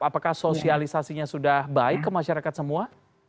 apakah sosialisasinya sudah baik ke masyarakat semua